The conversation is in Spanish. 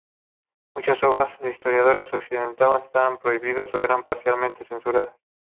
Muchas obras de historiadores occidentales estaban prohibidas o eran parcialmente censuradas.